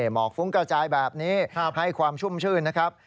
หมอกฟุ้งกระจายแบบนี้ให้ความชุ่มชื่นนะครับ